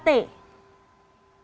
ada menemukan kasus dan juga pelacakan